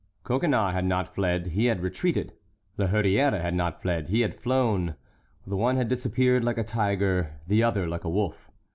Coconnas had not fled, he had retreated; La Hurière had not fled, he had flown. The one had disappeared like a tiger, the other like a wolf.